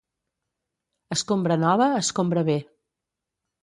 Escombra nova escombra bé.